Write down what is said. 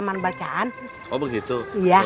soalnya saya pilih yang lebih baik